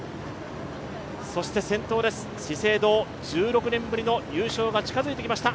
先頭です、資生堂、１６年ぶりの優勝が近づいてきました。